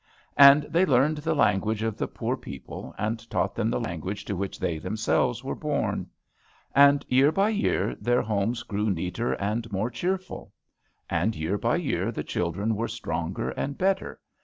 And they learned the language of the poor people, and taught them the language to which they themselves were born. And year by year their homes grew neater and more cheerful. And year by year the children were stronger and better.